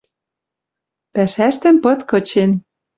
Пӓшӓштӹм пыт кычен